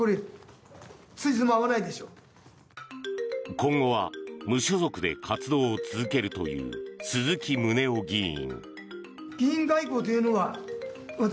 今後は無所属で活動を続けるという鈴木宗男議員。